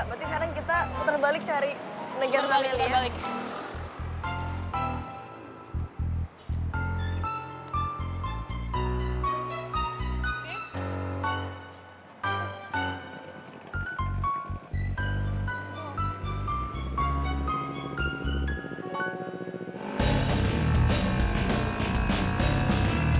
berarti sekarang kita puter balik cari negar valelia